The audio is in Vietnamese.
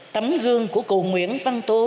tấm gương của cụ nguyễn văn tố